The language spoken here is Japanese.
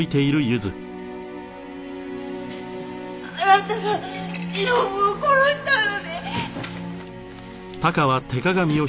あなたがしのぶを殺したのね。